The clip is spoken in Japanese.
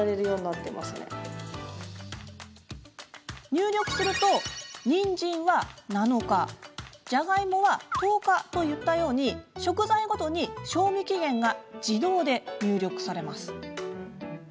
入力すると、にんじんは７日じゃがいもは１０日といったように食材ごとに賞味期限が自動で入力されます。